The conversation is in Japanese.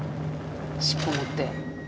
尻尾持って。